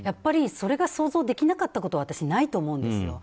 それが想像できなかったことはないと思うんです。